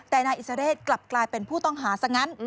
แต่นายอิสเรศกลับกลายเป็นผู้ต้องหาซะงั้น